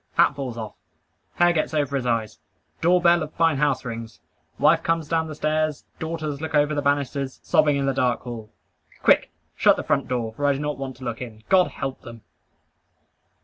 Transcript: Hat falls off. Hair gets over his eyes. Door bell of fine house rings. Wife comes down the stairs. Daughters look over the banisters. Sobbing in the dark hall. Quick shut the front door, for I do not want to look in. God help them!